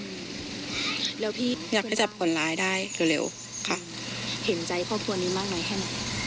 เห็นใจพ่อควรนี้มากหน่อยแค่ไหน